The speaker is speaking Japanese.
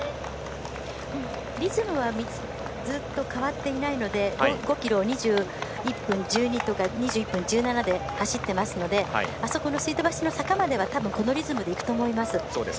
リズムはずっと変わっていないので５ｋｍ２１分１２とか２１分１７で走っていますので水道橋の坂まではこのリズムでいくと思います。